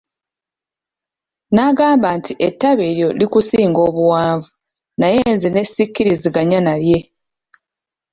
N'agamba nti ettabi eryo likusinga obuwanvu, naye nze ne sikkiriziganya naye.